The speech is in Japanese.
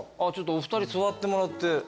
お二人座ってもらって。